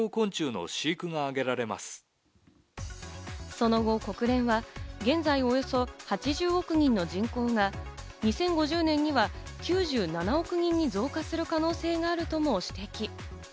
その後、国連は現在およそ８０億人の人口が２０５０年には９７億人に増加する可能性があるとも指摘。